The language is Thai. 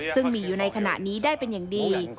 ซึ่งมีอยู่ในขณะนี้ได้เป็นอย่างดี